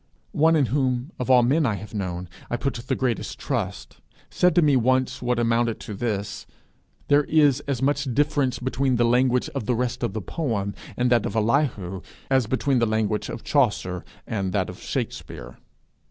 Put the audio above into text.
One in whom, of all men I have known, I put the greatest trust, said to me once what amounted to this: 'There is as much difference between the language of the rest of the poem and that of Elihu, as between the language of Chaucer and that of Shakspere.'